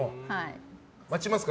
待ちますか？